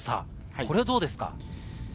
これはどうですか？